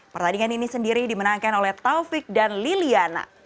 pertandingan ini sendiri dimenangkan oleh taufik dan liliana